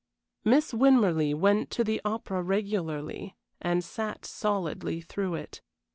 Miss Winmarleigh went to the opera regularly and sat solidly through it.